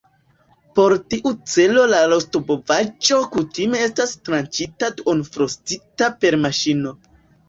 Por tiu celo la rostbovaĵo kutime estas tranĉita duonfrostita per maŝino.